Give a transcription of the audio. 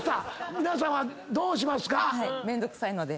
皆さんはどうしますか？